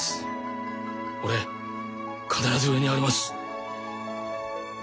俺必ず上に上がります。